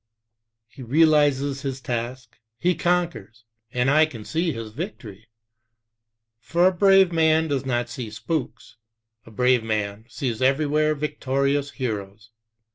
He realizes his task, he conquers, and I can see his victory. For a brave man does not see spooks, a brave man sees everywhere victorious heroes.